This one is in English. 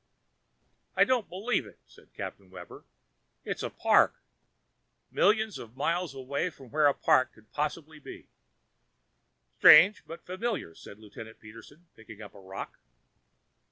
"I don't believe it," said Captain Webber. "It's a park millions of miles away from where a park could possibly be." "Strange but familiar," said Lieutenant Peterson, picking up a rock.